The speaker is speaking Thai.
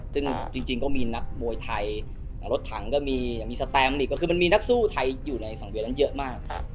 ซึ่งจริงก็มีนักมวยไทยรถถังก็มีสแตมอีกก็คือมันมีนักสู้ไทยอยู่ในสังเวียนนั้นเยอะมาก